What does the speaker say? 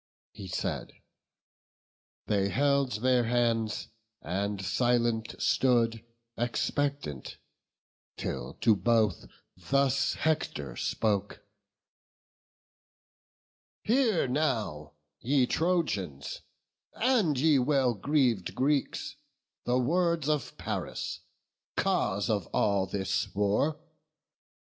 He said; they held their hands, and silent stood Expectant, till to both thus Hector spoke: "Hear now, ye Trojans, and ye well greav'd Greeks, The words of Paris, cause of all this war.